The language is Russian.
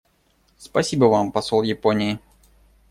Спасибо Вам, посол Японии.